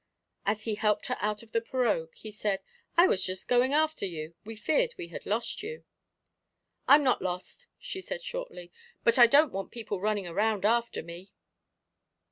As he helped her out of the pirogue, he said; "I was just going after you we feared we had lost you." "I'm not lost," she said shortly, "and I don't want people running around after me!"